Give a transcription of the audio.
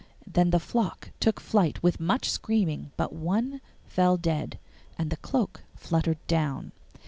Then the flock took flight with much screaming, but one fell dead, and the cloak fluttered down.